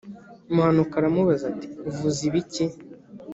Muhanuka aramubaza ati “Uvuze ibiki?”